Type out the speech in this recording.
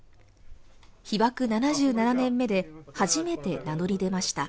被爆７７年目で初めて名乗り出ました。